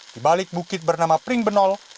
di balik bukit bernama pringbenol